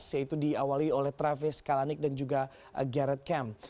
yaitu diawali oleh travis kalanick dan juga gary kudus